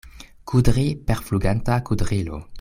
Kudri per fluganta kudrilo.